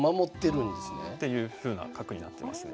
っていうふうな角になってますね。